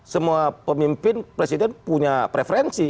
semua pemimpin presiden punya preferensi